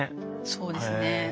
そうですね。